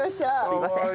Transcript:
すいません。